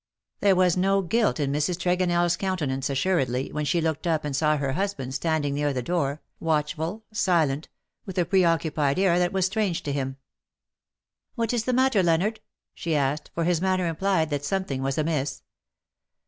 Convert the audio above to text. There was no guilt in Mrs. Tregonell's counte nance, assuredly, when she looked up and saw her husband standing near the door, watchful, silent, with a pre occupied air that was strange to him. ^^AND TIME IS SETTING Wl' M K, O." 288 " What is the matter, Leonard ?" she asked, for his manner implied that something was amiss.